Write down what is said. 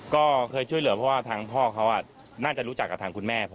ก็เคยช่วยเหลือเพราะว่าทางพ่อเขาน่าจะรู้จักกับทางคุณแม่ผม